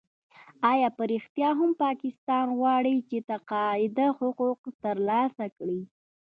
آیا په رښتیا هم پاکستان غواړي چې د تقاعد حقوق ترلاسه کړي؟